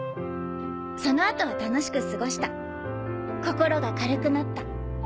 その後は楽しく過ごした心が軽くなった。